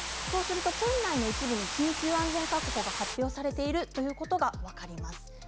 県内の一部に緊急安全確保が発表されているということが分かります。